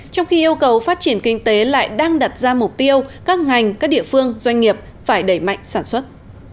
trong khi yêu cầu phát triển kinh tế lại đang đặt ra mục tiêu các ngành các địa phương doanh nghiệp phải đẩy mạnh sản xuất